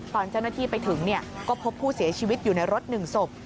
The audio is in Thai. ตอนเจ้าหน้าที่ไปถึงก็พบผู้เสียชีวิตอยู่ในรถ๑ศพ